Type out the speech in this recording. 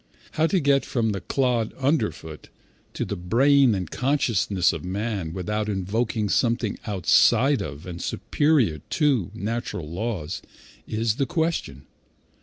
How to get from the clod underfoot to the brain and consciousness of man without invoking something outside of, and superior to, natural laws, is the question.